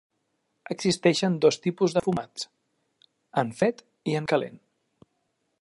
Existeixen dos tipus de fumats: en fred i en calent.